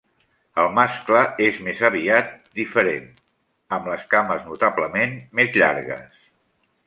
El mascle és més aviat diferents, amb les cames notablement més llargues.